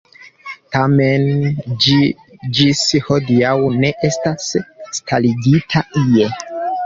Tamen ĝi ĝis hodiaŭ ne estas starigita ie.